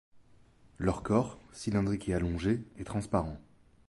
Leur corps, cylindrique et allongé, est transparent.